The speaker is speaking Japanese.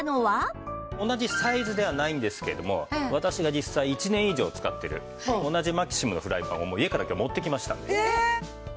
同じサイズではないんですけども私が実際１年以上使っている同じマキシムのフライパンを家から今日持ってきました。